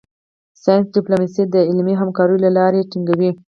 ساینس ډیپلوماسي د علمي همکاریو له لارې اړیکې ټینګوي